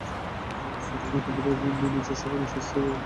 স্ত্রী যখন ক্ষুদ্রঋণ নিচ্ছে সেখানেও স্বামী এভাবে ঋণের অর্থ ব্যয় করছেন।